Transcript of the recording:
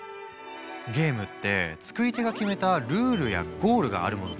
ゲームって作り手が決めたルールやゴールがあるものでしょ？